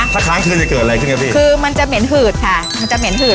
ถ้าค้างคืนจะเกิดอะไรขึ้นครับพี่คือมันจะเหม็นหืดค่ะมันจะเหม็นหืด